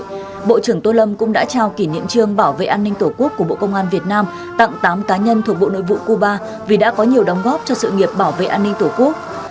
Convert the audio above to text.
trước đó bộ trưởng tô lâm cũng đã trao kỷ niệm trương bảo vệ an ninh tổ quốc của bộ công an việt nam tặng tám cá nhân thuộc bộ nội vụ cuba vì đã có nhiều đóng góp cho sự nghiệp bảo vệ an ninh tổ quốc